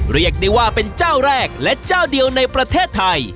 เรียกได้ว่าเป็นเจ้าแรกและเจ้าเดียวในประเทศไทย